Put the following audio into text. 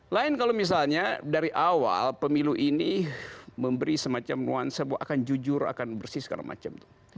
lain kalau misalnya dari awal pemilu ini memberi semacam nuansa bahwa akan jujur akan bersih segala macam